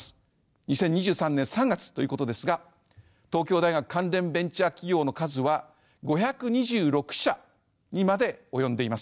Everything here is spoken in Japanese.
２０２３年３月ということですが東京大学関連ベンチャー企業の数は５２６社にまで及んでいます。